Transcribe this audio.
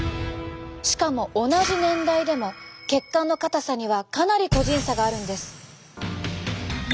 しかも同じ年代でも血管の硬さにはかなり個人差があるんです。